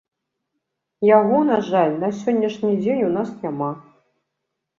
Яго, на жаль, на сённяшні дзень у нас няма.